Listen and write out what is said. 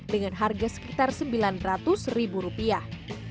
dengan harga sekitar sembilan ratus ribu rupiah